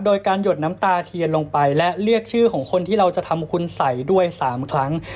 โดยการหยดน้ำตาเทียนลงไปและเรียกชื่อของคนที่เราจะทำคุณสัยด้วย๓ครั้ง